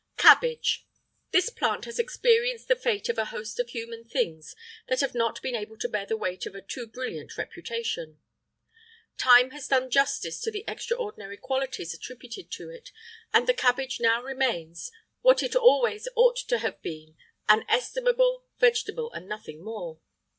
CABBAGE. This plant has experienced the fate of a host of human things that have not been able to bear the weight of a too brilliant reputation. Time has done justice to the extraordinary qualities attributed to it, and the cabbage now remains, what it ought always to have been, an estimable vegetable and nothing more.